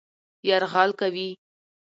يرغل کوي